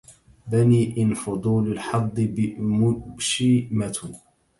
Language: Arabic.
بني إن فضول الحظ مبشمة